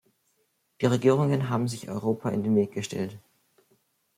Die Regierungen haben sich Europa in den Weg gestellt.